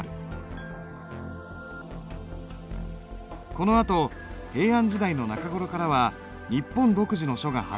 このあと平安時代の中頃からは日本独自の書が発達していく。